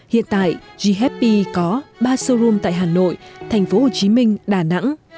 hiện tại g happy có ba showroom tại hà nội thành phố hồ chí minh đà nẵng